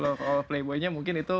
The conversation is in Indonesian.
nah kalau playboynya mungkin itu